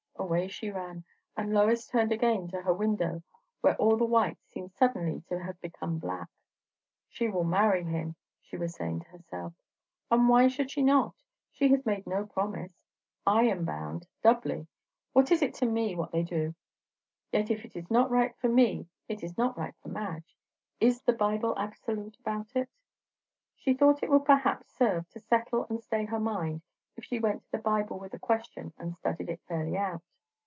Away she ran, and Lois turned again to her window, where all the white seemed suddenly to have become black. She will marry him! she was saying to herself. And why should she not? she has made no promise. I am bound doubly; what is it to me, what they do? Yet if not right for me it is not right for Madge. Is the Bible absolute about it? She thought it would perhaps serve to settle and stay her mind if she went to the Bible with the question and studied it fairly out.